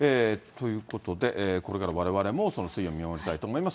ということで、これからわれわれも推移を見守りたいと思います。